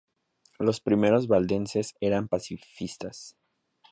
Los primeros valdenses eran pacifistas.